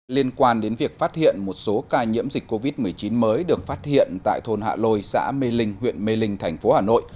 liên quan đến việc phát hiện một số ca nhiễm dịch covid một mươi chín mới được phát hiện tại thôn hạ lôi xã mê linh huyện mê linh thành phố hà nội